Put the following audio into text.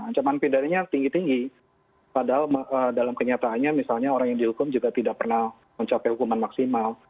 ancaman pidananya tinggi tinggi padahal dalam kenyataannya misalnya orang yang dihukum juga tidak pernah mencapai hukuman maksimal